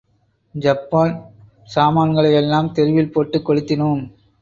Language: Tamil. ஜப்பான் சாமான்களையெல்லாம் தெருவில் போட்டுக் கொளுத்தினோம்.